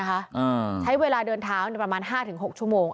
ใช้เวลาเดินท้าวันแล้วประมาณ๕๖ชั่วโมง